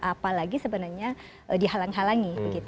apalagi sebenarnya dihalang halangi